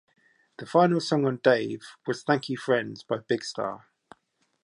The final song on "Dave" was "Thank You Friends" by Big Star.